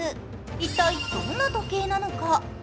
一体どんな時計なのか？